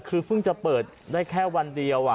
คือเพิ่งจะเปิดได้แค่วันเดียว